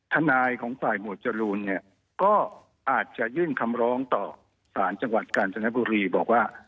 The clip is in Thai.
ทนายของฝ่ายหมวดจรูนเนี่ยก็อาจจะยื่นคำร้องต่อสารจังหวัดกาญจนบุรีบอกว่า